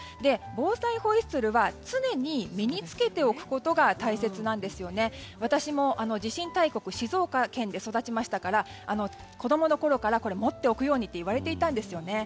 防災ホイッスルは常に身に付けておくことが大切で私も地震大国の静岡県で育ちましたから子供のころから持っておくようにといわれていたんですよね。